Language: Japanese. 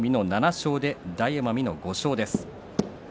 海の７勝で大奄美の５勝です。